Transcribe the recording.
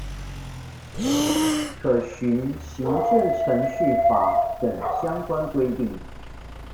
可循行政程序法等相關規定